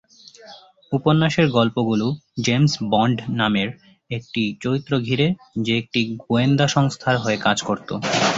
উপন্যাসের গল্প গুলো জেমস বন্ড নামের এক চরিত্র ঘিরে যে একটি গোয়েন্দা সংস্থার হয়ে কাজ করতো।